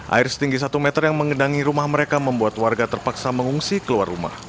air setinggi satu meter yang mengendangi rumah mereka membuat warga terpaksa mengungsi keluar rumah